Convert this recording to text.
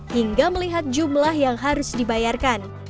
hingga melihat jumlah yang harus dibayarkan